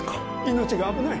命が危ない。